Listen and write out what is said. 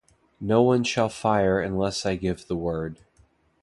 No one shall fire unless I give the word.